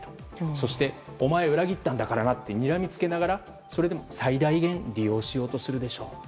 そして、お前裏切ったんだからなとにらみつけながらそれでも最大限利用しようとするでしょう。